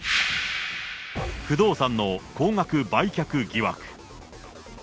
不動産の高額売却疑惑。